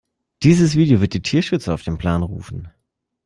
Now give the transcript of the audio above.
Dieses Video wird die Tierschützer auf den Plan rufen.